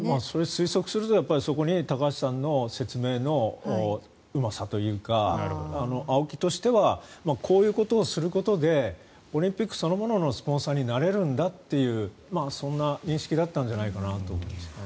推測するとそこに高橋さんの説明のうまさというかＡＯＫＩとしてはこういうことをすることでオリンピックそのもののスポンサーになれるんだというそんな認識だったんじゃないかなと思いますね。